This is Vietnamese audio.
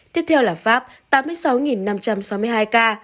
tiếp theo là pháp tám mươi sáu năm trăm sáu mươi hai ca